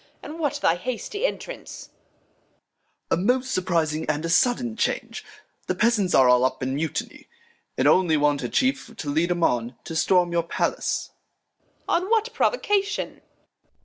And that thy hasty Entrance ? Off. A most surprizing and a sudden Change ; The Peasants are all up in Mutiny, Act iv] King Lear 225 And only want a Chief to lead 'em on To storm your Palace. Reg. On what Provocation